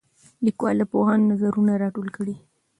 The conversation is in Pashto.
لیکوال د پوهانو نظرونه راټول کړي دي.